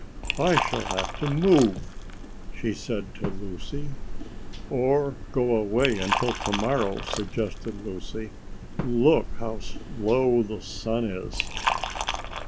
"I shall have to move," she said to Lucy. "Or go away until to morrow," suggested Lucy. "Look! How low the sun is."